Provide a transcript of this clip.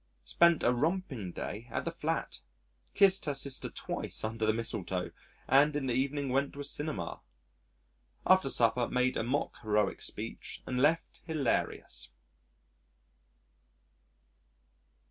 Spent a romping day at the Flat. Kissed her sister twice under the mistletoe, and in the evening went to a cinema. After supper made a mock heroic speech and left hilarious.